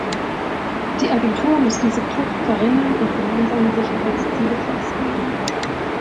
Die Agentur muss diese Kluft verringern und gemeinsame Sicherheitsziele festlegen.